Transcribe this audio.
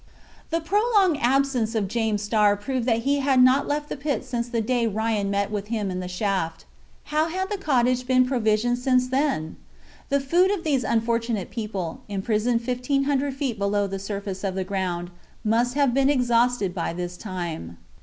The prolonged absence of James Starr proved that he had not left the pit since the day Ryan met with him in the shaft. How had the cottage been provisioned since then? The food of these unfortunate people, imprisoned fifteen hundred feet below the surface of the ground, must have been exhausted by this time.